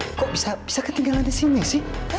fadil kok bisa bisa ketinggalan di sini sih